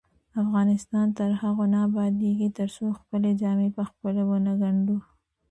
افغانستان تر هغو نه ابادیږي، ترڅو خپلې جامې پخپله ونه ګنډو.